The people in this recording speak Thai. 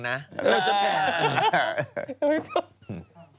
ไม่จบ